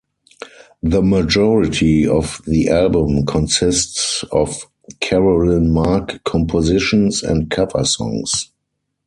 The majority of the album consists of Carolyn Mark compositions and cover songs.